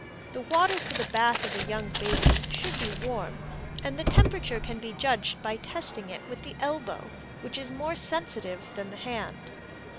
The water for the bath of a young baby should be warm, and the temperature can be judged by testing it with the elbow, which is more sensitive than the hand.